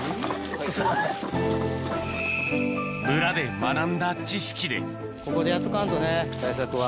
村で学んだ知識でここでやっとかんとね対策は。